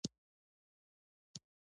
جګړه د ښوونځي پر ځای هدیره ډکوي